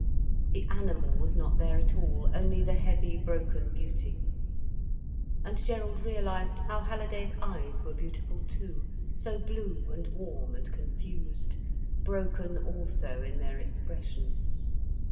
The animal was not there at all, only the heavy, broken beauty. And Gerald realised how Halliday's eyes were beautiful too, so blue and warm and confused, broken also in their expression.